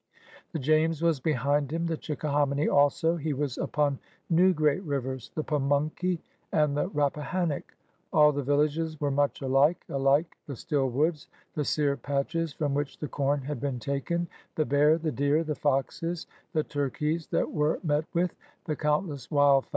The James was behind hiin, the Chickahominy also; he was upon new great rivers, the Pamunkey and the Rappahannock. All the villages were much alike, alike the still woods, the sere patches from which the com had been taken, the bear, the deer, the foxes, the turkeys that were met with, the countless wild fowl.